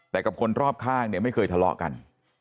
แต่กับคนรอบข้างเนี่ยไม่เคยทะเลาะกัน